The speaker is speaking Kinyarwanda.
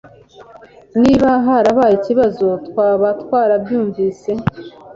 Niba harabaye ikibazo, twaba twarabyumvise.